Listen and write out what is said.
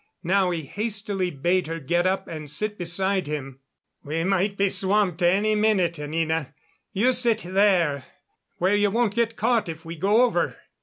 Now he hastily bade her get up and sit beside him. "We might be swamped any minute, Anina. You sit there where you won't get caught if we go over."